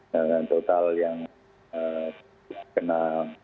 dan total yang terkena